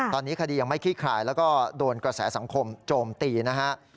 ตอนนี้คดียังไม่ขี้คลายแล้วก็โดนกระแสสังคมโจมตีนะฮะ